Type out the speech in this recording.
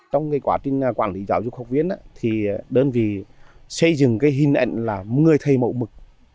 trong quá trình quản lý giáo dục học viên thì đơn vị xây dựng cái hình ảnh là người thầy mẫu mực